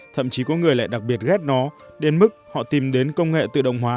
thậm chí có người lại đặc biệt ghét nó đến mức họ tìm đến công nghệ tự động hóa